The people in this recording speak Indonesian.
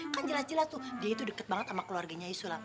kan jelas jelas tuh dia itu dekat banget sama keluarganya issula